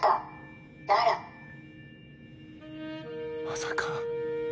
まさか。